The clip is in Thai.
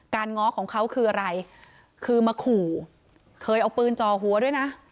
ง้อของเขาคืออะไรคือมาขู่เคยเอาปืนจ่อหัวด้วยนะ